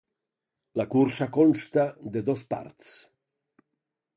La cursa consta de dos parts.